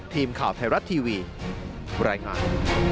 ทีมข่าวไทยรัตน์ทีวีบรรยายงาน